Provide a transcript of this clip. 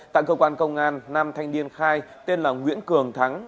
tại cơ quan công an nam thanh niên khai tên là nguyễn cường thắng